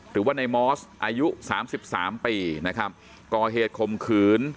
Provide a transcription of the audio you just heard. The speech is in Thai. หรือว่าในมอสอายุ๓๓ปีนะครับก่อเหตุขมขืน